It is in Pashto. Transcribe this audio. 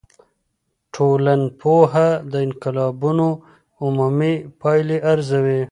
ټولنپوه د انقلابونو عمومي پایلي ارزوي.